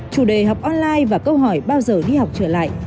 chủ đề học online và câu hỏi bao giờ đi học trở lại